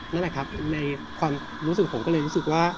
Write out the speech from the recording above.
นั่นแหละครับในความรู้สึกผมก็เลยรู้สึกว่า